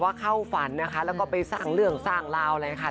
ที่เข้าฝันแล้วก็ไปสั่งเรืองสั่งราวอะไรกัน